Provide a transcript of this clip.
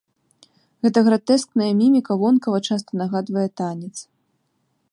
Гэта гратэскная міміка вонкава часта нагадвае танец.